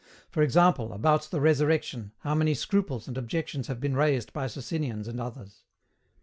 For example, about the Resurrection, how many scruples and objections have been raised by Socinians and others?